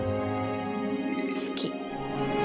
好き。